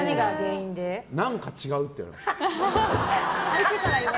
何か違うって言われて。